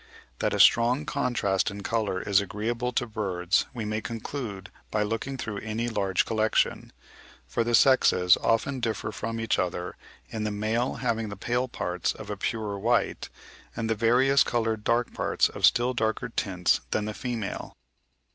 That a strong contrast in colour is agreeable to birds, we may conclude by looking through any large collection, for the sexes often differ from each other in the male having the pale parts of a purer white, and the variously coloured dark parts of still darker tints than the female.